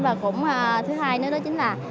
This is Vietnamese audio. và cũng thứ hai nữa đó chính là